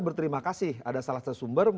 berterima kasih ada salah satu sumber